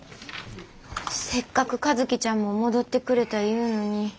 せっかく和希ちゃんも戻ってくれたいうのに。